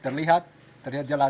terlihat terlihat jelas